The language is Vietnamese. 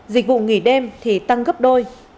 dịch vụ nghỉ đêm thì tăng gấp đôi